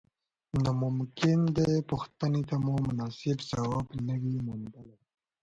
نو ممکن دې پوښتنې ته مو مناسب ځواب نه وي موندلی.